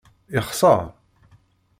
Yexser?